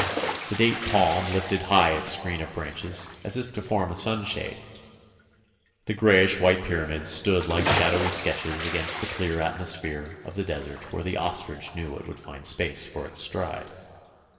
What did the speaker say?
The date palm lifted high its screen of branches as if to form a sunshade. THE MARSH KING'S DAUGHTER 283 The greyish white pyramids stood like shadowy sketches against the clear atmosphere of the desert where the ostrich knew it would find space for its stride.